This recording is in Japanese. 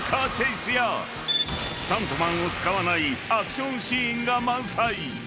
［スタントマンを使わないアクションシーンが満載］